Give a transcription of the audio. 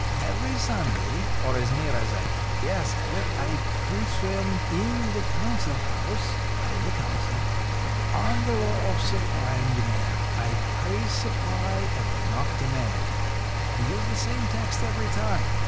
Every Sunday, or as near as I can guess at it, I preach to 'em in the council house (I'm the council) on the law of supply and demand. I praise supply and knock demand. I use the same text every time.